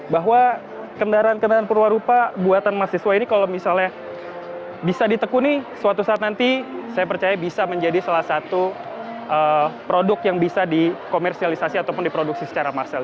bahwa kendaraan kendaraan perwarupa buatan mahasiswa ini kalau misalnya bisa ditekuni suatu saat nanti saya percaya bisa menjadi salah satu produk yang bisa dikomersialisasi ataupun diproduksi secara massal